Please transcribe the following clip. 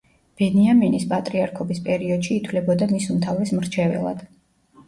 ბენიამინის პატრიარქობის პერიოდში ითვლებოდა მის უმთავრეს მრჩეველად.